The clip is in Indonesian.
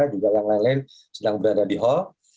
juga yang lain lain sedang berada di hall